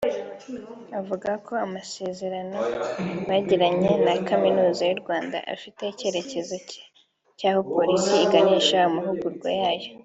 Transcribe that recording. avuga ko amasezerano bagiranye na Kaminuza y’u Rwanda afite icyerekezo cy’aho polisi iganisha amahugurwa yayo